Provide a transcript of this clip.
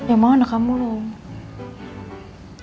ya mau anak kamu loh